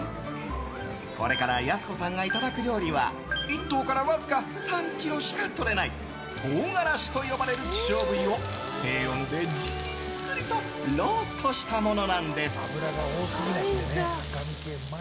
これからやす子さんがいただく料理は１頭からわずか３ｋｇしかとれないトウガラシと呼ばれる希少部位を低温でじっくりとローストしたものなんです。